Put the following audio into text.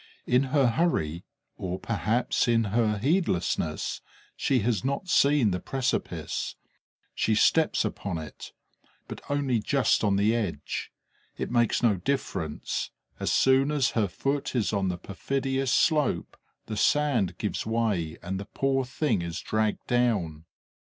In her hurry, or perhaps in her heedlessness, she has not seen the precipice. She steps upon it, but only just on the edge. It makes no difference: as soon as her foot is on the perfidious slope, the sand gives way and the poor thing is dragged down.